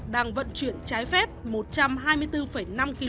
đang vận chuyển trái phòng tỉnh quảng bình